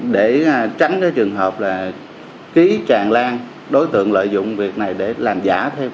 để tránh trường hợp ký tràn lan đối tượng lợi dụng